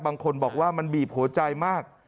บางคนบอกว่ามันบีบหัวใจมาก